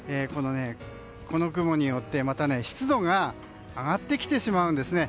この雲によって、また湿度が上がってきてしまうんですね。